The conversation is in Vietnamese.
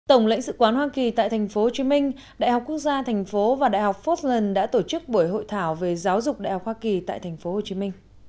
tổng lãnh sự quán hoa kỳ tại tp hcm đại học quốc gia thành phố và đại học fosland đã tổ chức buổi hội thảo về giáo dục đại học hoa kỳ tại tp hcm